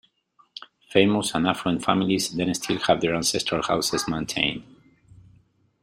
Famous and affluent families then still have their ancestral houses maintained.